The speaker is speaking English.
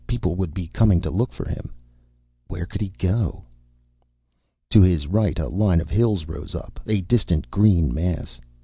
People would be coming to look for him. Where could he go? To his right a line of hills rose up, a distant green mass.